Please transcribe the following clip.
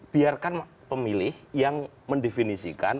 biarkan pemilih yang mendefinisikan